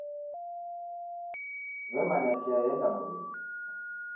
Siw'emanya chia eenda modenyi